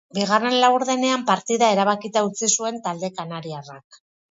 Bigarren laurdenean partida erabakita utzi zuen talde kanariarrak.